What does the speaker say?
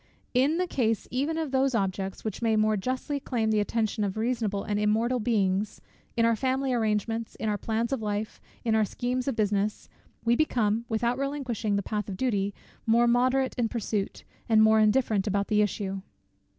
In the case even of those objects, which may more justly claim the attention of reasonable and immortal beings; in our family arrangements, in our plans of life, in our schemes of business, we become, without relinquishing the path of duty, more moderate in pursuit, and more indifferent about the issue.